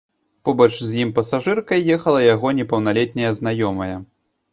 Побач з ім пасажыркай ехала яго непаўналетняя знаёмая.